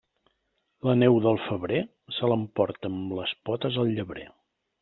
La neu del febrer, se l'emporta amb les potes el llebrer.